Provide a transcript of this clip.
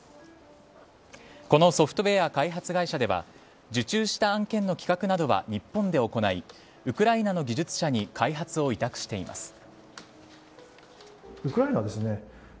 このソフトウェア開発会社では受注した案件の企画などは日本で行いウクライナの技術者に開発を委託しています。